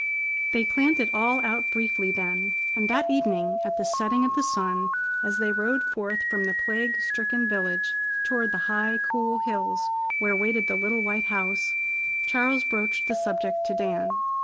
They planned it all out briefly then, and that evening, at the setting of the sun, as they rode forth from the plague stricken village toward the high, cool hills where waited the little white house, Charles broached the subject to Dan.